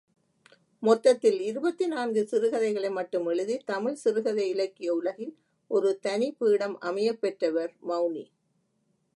மொத்தத்தில் இருபத்திநான்கு சிறுகதைகளை மட்டும் எழுதி தமிழ் சிறுகதை இலக்கிய உலகில் ஒரு தனிபீடம் அமையப் பெற்றவர் மெளனி.